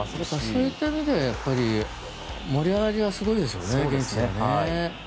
そういった意味では盛り上がりはすごいですよね、現地で。